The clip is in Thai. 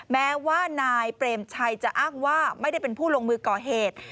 แม้ว่านายเปรมชัยจะอ้างว่าไม่ได้เป็นผู้ลงมือก่อเหตุ